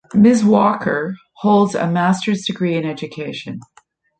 Ms. Walker holds a master's degree in education.